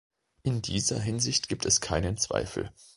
In dieser Hinsicht gibt es keinen Zweifel.